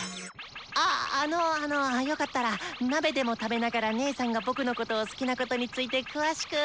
ああのあのよかったら鍋でも食べながら姐さんが僕のことを好きなことについて詳しく。